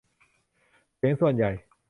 เสียงส่วนใหญ่